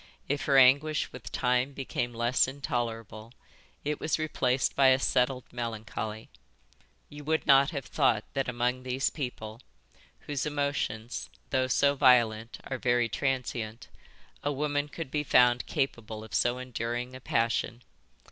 If her anguish with time became less intolerable it was replaced by a settled melancholy. You would not have thought that among these people, whose emotions, though so violent, are very transient, a woman could be found capable of so enduring a passion.